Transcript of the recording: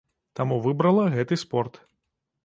Таму выбрала гэты спорт.